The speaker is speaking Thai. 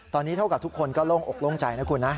ตอนนี้เท่ากับทุกคนก็โล่งอกโล่งใจนะคุณนะ